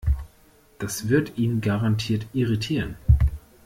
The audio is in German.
Das wird ihn garantiert irritieren.